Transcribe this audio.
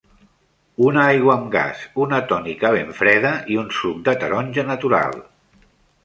Una aigua amb gas, una tònica ben freda i un suc de taronja natural.